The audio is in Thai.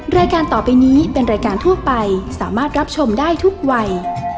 รายการต่อไปนี้เป็นรายการทั่วไปสามารถรับชมได้ทุกวัย